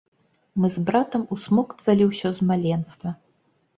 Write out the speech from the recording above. Мы з братам усмоктвалі ўсё з маленства.